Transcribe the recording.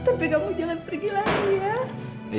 sampai kamu jangan pergi lagi ya